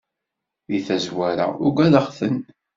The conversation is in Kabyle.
Di tazzwara ugadeɣ-ten.